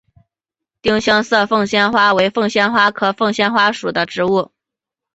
丁香色凤仙花为凤仙花科凤仙花属的植物。